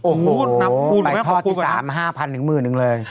โอ้โหไปทอดที่๓๕๐๐๐ถึง๑๐๐๐๐นึงเลย